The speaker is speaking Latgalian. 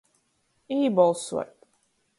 Ībolsuot.